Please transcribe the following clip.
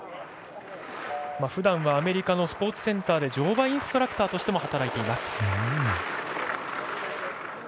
ふだんはアメリカのスポーツセンターで乗馬インストラクターとしても働いています。